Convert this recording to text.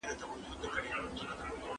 کېدای سي ليکنې اوږدې وي